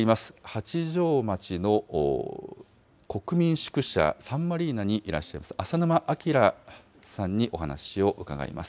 八丈町の国民宿舎サンマリーナにいらっしゃいます浅沼明さんにお話を伺います。